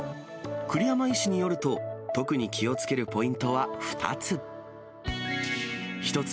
栗山医師によると、特に気をつけるポイントは２つ。